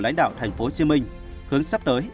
lãnh đạo tp hcm hướng sắp tới